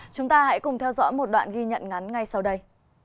chúng ta hãy cùng theo dõi một đoạn ghi nhận ngắn ngay sau đây